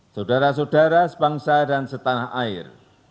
saudara saudara sebangsa dan setanah air